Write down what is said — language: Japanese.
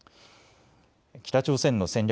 北朝鮮の戦略